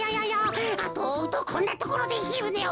あとをおうとこんなところでひるねを。